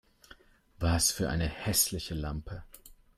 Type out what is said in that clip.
Was für eine hässliche Lampe